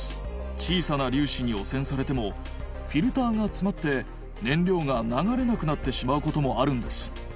小さな粒子に汚染されてもフィルターが詰まって燃料が流れなくなってしまうこともあるんです